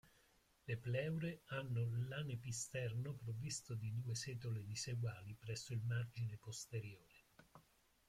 Le pleure hanno l'anepisterno provvisto di due setole diseguali presso il margine posteriore.